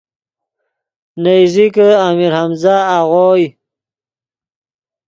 نے ایزیکے امیر حمزہ آغوئے